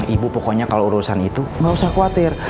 ibu pokoknya kalau urusan itu nggak usah khawatir